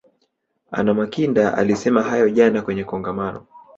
anna makinda alisema hayo jana kwenye kongamano